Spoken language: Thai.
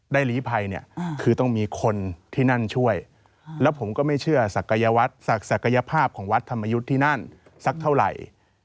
หลีภัยเนี่ยคือต้องมีคนที่นั่นช่วยแล้วผมก็ไม่เชื่อศักยวัตรศักยภาพของวัดธรรมยุทธ์ที่นั่นสักเท่าไหร่